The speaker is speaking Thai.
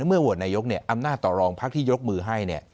เมื่อโหวตนายกอำนาจต่อรองพักที่ยกมือให้